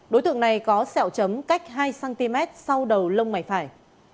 đối tượng này có sẹo chấm cách hai cm sau đầu lông mày phải